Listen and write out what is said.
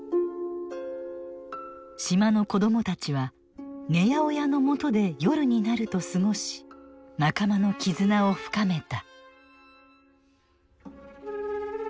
島の子供たちは寝屋親のもとで夜になると過ごし仲間の絆を深めた。